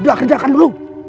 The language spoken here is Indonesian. udah kerjakan dulu